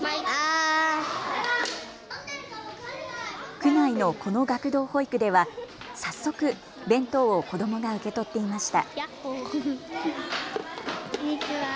区内のこの学童保育では早速、弁当を子どもが受け取っていました。